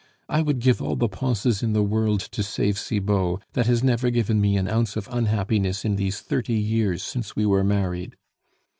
I would give all the Ponses in the world to save Cibot, that has never given me an ounce of unhappiness in these thirty years since we were married."